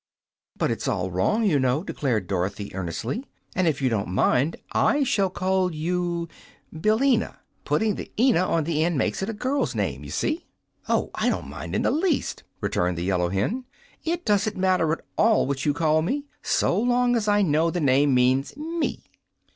"But it's all wrong, you know," declared Dorothy, earnestly; "and, if you don't mind, I shall call you 'Billina.' Putting the 'eena' on the end makes it a girl's name, you see." "Oh, I don't mind it in the least," returned the yellow hen. "It doesn't matter at all what you call me, so long as I know the name means ME."